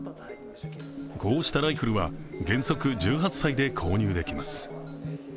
こうしたライフルは原則１８歳で購入できます。